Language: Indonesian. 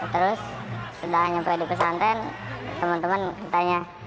terus sedang nyampe di pesantan teman teman tanya